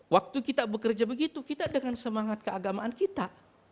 waktu kita bekerja begitu kita dengan semangat keagamaan kita